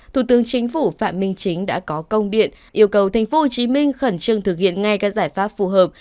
thủ tướng chính phủ phạm minh chính đã có công điện yêu cầu tp hcm khẩn trương thực hiện ngay các giải pháp phù hợp